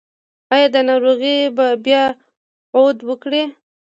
ایا دا ناروغي به بیا عود وکړي؟